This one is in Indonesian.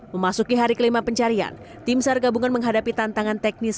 memasuki hari kelima pencarian tim sar gabungan menghadapi tantangan teknis